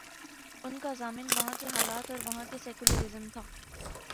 ان کا ضامن وہاں کے حالات اور وہاں کا سیکولر ازم تھا۔